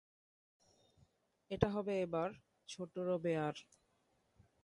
এটা হবে এবার, ছোট রোবেয়ার।